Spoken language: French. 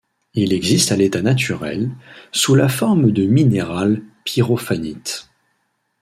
Il existe à l'état naturel, sous la forme du minéral pyrophanite.